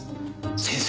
先生